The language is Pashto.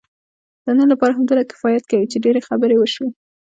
د نن لپاره همدومره کفایت کوي، چې ډېرې خبرې وشوې.